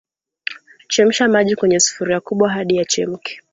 Chemsha maji kwenye sufuria kubwa hadi yachemke